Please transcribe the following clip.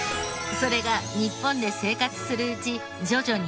それが日本で生活するうち徐々になじみ